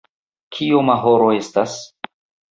Kioma horo estas?